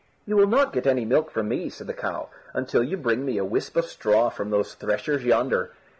"You will not get any milk from me," said the cow, "until you bring me a whisp of straw from those threshers yonder."